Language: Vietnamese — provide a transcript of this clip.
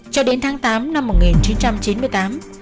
cho đến tháng tám năm một nghìn chín trăm chín mươi tám